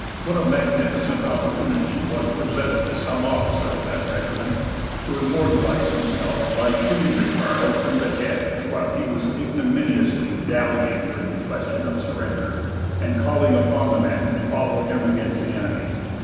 What a magnificent opportunity was presented to some officer of that regiment to immortalize himself by shooting the colonel through the head while he was ignominously dallying with the question of surrender, and calling upon the men to follow him against the enemy.